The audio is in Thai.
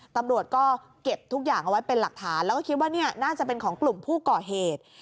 ตำรวจก็เก็บทุกอย่างเอาไว้เป็นหลักฐานแล้วก็คิดว่าเนี่ยน่าจะเป็นของกลุ่มผู้ก่อเหตุ